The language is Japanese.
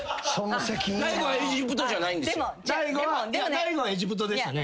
大悟はエジプトでしたね。